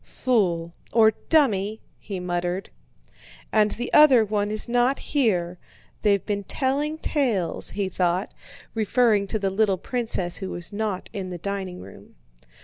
"Fool... or dummy!" he muttered. "And the other one is not here. They've been telling tales," he thought—referring to the little princess who was not in the dining room.